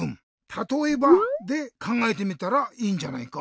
「たとえば？」でかんがえてみたらいいんじゃないか？